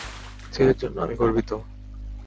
ছেলের জন্য আমি গর্বিত।